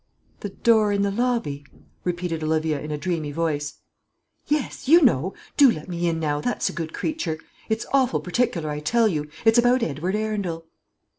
"The door in the lobby?" repeated Olivia, in a dreamy voice. "Yes, you know. Do let me in now, that's a good creature. It's awful particular, I tell you. It's about Edward Arundel."